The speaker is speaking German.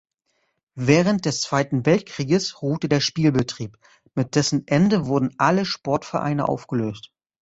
Während des Zweiten Weltkrieges ruhte der Spielbetrieb, mit dessen Ende wurden alle Sportvereine aufgelöst.